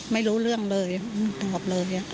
ไม่รู้เรื่องเลยตอบเลย